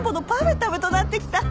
食べとなってきた。